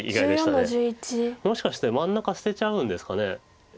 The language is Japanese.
もしかして真ん中捨てちゃうんですかね。